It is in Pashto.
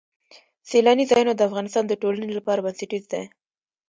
سیلاني ځایونه د افغانستان د ټولنې لپاره بنسټیز دي.